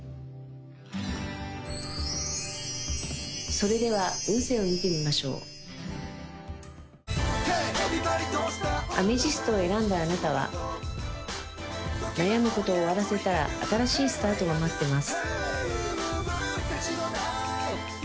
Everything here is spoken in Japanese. それでは運勢を見てみましょうアメジストを選んだあなたは悩むことを終わらせたら新しいスタートが待ってます